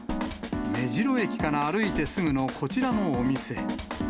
目白駅から歩いてすぐのこちらのお店。